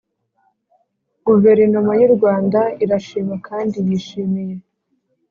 guverinoma y'u rwanda irashima kandi yishimiye